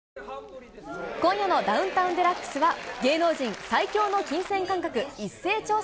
今夜のダウンタウンＤＸＤＸは、芸能人最強の金銭感覚一斉調査